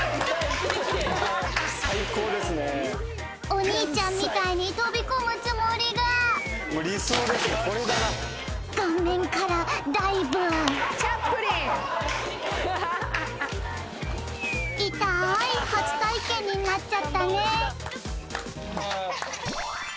お兄ちゃんみたいに飛び込むつもりが痛い初体験になっちゃったね